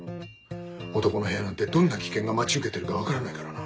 男の部屋なんてどんな危険が待ち受けてるか分からないからな。